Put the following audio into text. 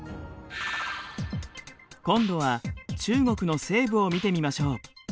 今度は中国の西部を見てみましょう。